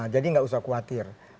jadi nggak usah khawatir